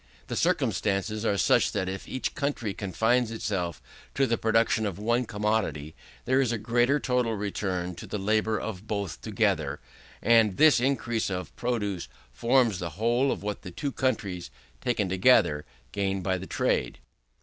The circumstances are such, that if each country confines itself to the production of one commodity, there is a greater total return to the labour of both together; and this increase of produce forms the whole of what the two countries taken together gain by the trade.